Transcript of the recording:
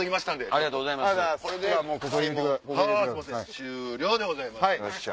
終了でございます。